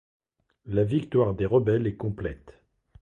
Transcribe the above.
La victoire des rebelles est complète.